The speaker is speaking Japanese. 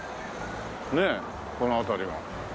ねえこの辺りの。